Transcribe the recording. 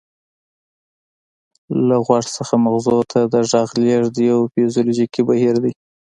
له غوږ څخه مغزو ته د غږ لیږد یو فزیولوژیکي بهیر دی